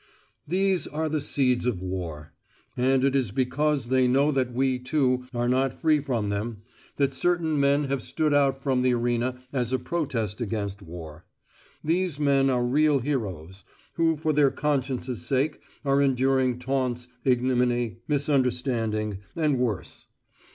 These are the seeds of war. And it is because they know that we, too, are not free from them, that certain men have stood out from the arena as a protest against war. These men are real heroes, who for their conscience's sake are enduring taunts, ignominy, misunderstanding, and worse.